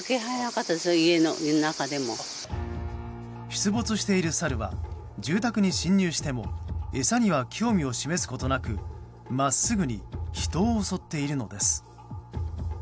出没しているサルは住宅に侵入しても餌には興味を示すことなく真っすぐに人を襲っているのです。